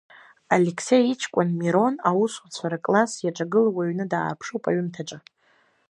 Алеқсеи иҷкәын Мирон аусуцәа рыкласс иаҿагыло уаҩны даарԥшуп аҩымҭаҿы.